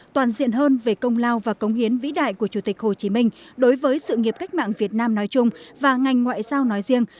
toàn diện hơn về công lao và cống hiến vĩ đại của chủ tịch hồ chí minh đối với sự nghiệp cách mạng việt nam nói chung và ngành ngoại giao nói riêng